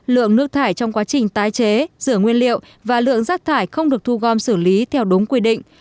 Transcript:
lượng nước thải trong quá trình tái chế rửa nguyên liệu và lượng rác thải không được thu gom xử lý theo đúng quy định